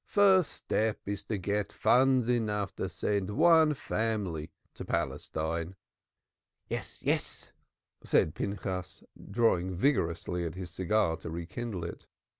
The first step is to get funds enough to send one family to Palestine." "Yes, yes," said Pinchas, drawing vigorously at his cigar to rekindle it.